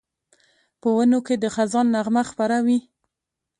په ونو کې د خزان نغمه خپره وي